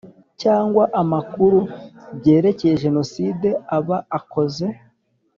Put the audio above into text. Cyangwa amakuru byerekeye jenoside aba akoze